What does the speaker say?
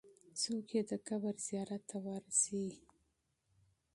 څوک یې د قبر زیارت ته ورځي؟